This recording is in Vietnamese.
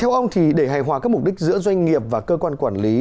theo ông thì để hài hòa các mục đích giữa doanh nghiệp và cơ quan quản lý